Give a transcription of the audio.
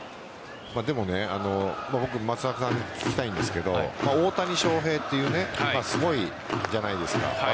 僕、松中さんに聞きたいんですが大谷翔平すごいじゃないですか。